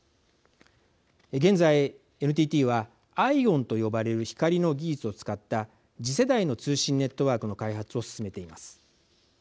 現在、ＮＴＴはＩＯＷＮと呼ばれる光の技術を使った次世代の通信ネットワークの開発を進めています。